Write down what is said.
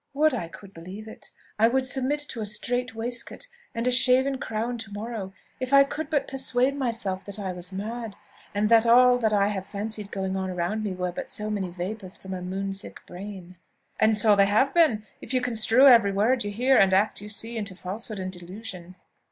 "Would I could believe it! I would submit to a strait waistcoat and a shaven crown to morrow if I could but persuade myself that I was mad, and that all that I have fancied going on around me were but so many vapours from a moon sick brain." "And so they have been, if you construe every word you hear, and every act you see, into falsehood and delusion."